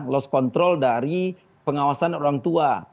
lost control dari pengawasan orang tua